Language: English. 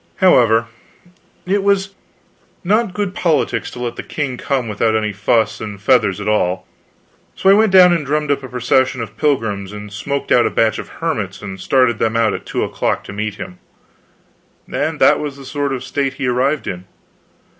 However, it was not good politics to let the king come without any fuss and feathers at all, so I went down and drummed up a procession of pilgrims and smoked out a batch of hermits and started them out at two o'clock to meet him. And that was the sort of state he arrived in.